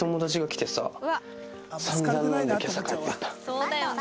そうだよね。